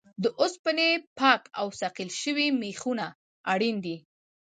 د اوسپنې پاک او صیقل شوي میخونه اړین دي.